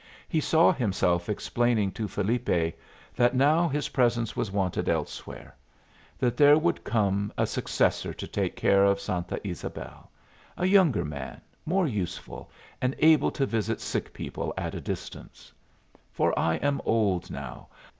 He saw himself explaining to Felipe that now his presence was wanted elsewhere; that there would come a successor to take care of Santa Ysabel a younger man, more useful, and able to visit sick people at a distance. "For I am old now.